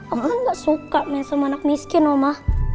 aku kan gak suka main sama anak miskin oma